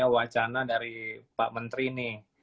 wacana dari pak menteri nih